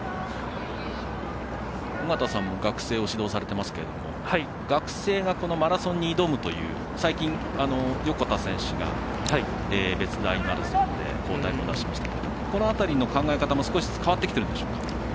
尾方さんも学生を指導されていますけれども学生がマラソンに挑むという最近、横田選手が別大マラソンで好タイムを出しましたがこの辺りの考え方も変わってきているんでしょうか。